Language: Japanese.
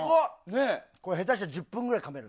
下手したら１０分ぐらいかめる。